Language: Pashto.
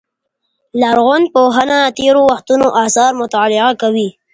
لرغونپوهنه د تېرو وختونو آثار مطالعه کوي.